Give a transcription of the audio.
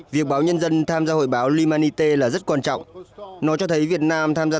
việc báo nhân dân tham gia hội báo lmanite là rất quan trọng nó cho thấy việt nam tham gia